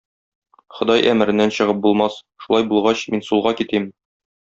Ходай әмереннән чыгып булмас, шулай булгач, мин сулга китим.